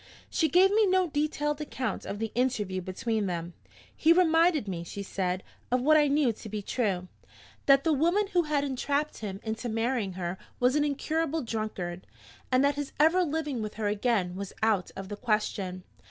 "She gave me no detailed account of the interview between them. 'He reminded me,' she said, 'of what I knew to be true that the woman who had entrapped him into marrying her was an incurable drunkard, and that his ever living with her again was out of the question.